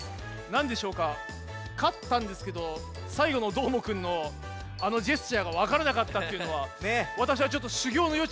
なんでしょうかかったんですけどさいごのどーもくんのあのジェスチャーがわからなかったっていうのはわたしはちょっとしゅぎょうのよ